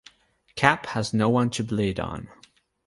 Cap has no one to bleed on.